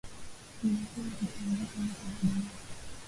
limekuwa likiongezeka mwaka hadi mwaka